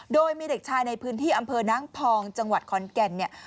โดยมีเด็กชายในพื้นที่อำเภอน้ำพองจังหวัดขอนแก่นเนี่ย